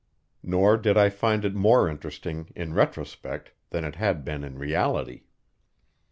Nor did I find it more interesting in retrospect than it had been in reality.